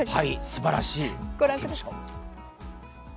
すばらしい。